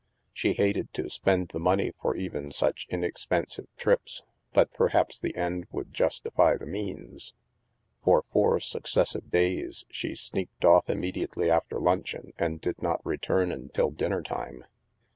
She hated to spend the money for even such inex pensive trips, but perhaps the end would justify the means. For four successive days, she sneaked off im mediately after luncheon and did not return until dinner time.